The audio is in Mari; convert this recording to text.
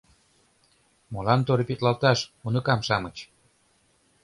Молан торопитлалташ, уныкам-шамыч?